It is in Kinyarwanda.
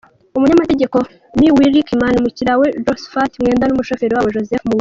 Umunyamategeko Me Willie Kimani, umukiriya we Josphat Mwenda n’umushoferi wabo Joseph Muiruri.